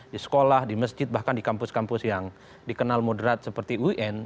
di sekolah di masjid bahkan di kampus kampus yang dikenal moderat seperti un